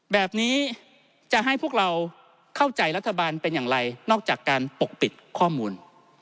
แบบนี้จะให้พวกเราเข้าใจรัฐบาลเป็นอย่างไรนอกจากการปกปิดข้อมูล